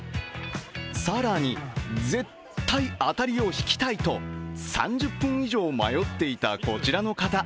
更に絶対当たりを引きたいと３０分以上、迷っていたこちらの方。